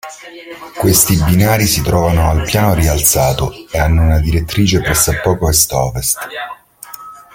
Questi binari si trovano al piano rialzato e hanno una direttrice pressappoco est-ovest.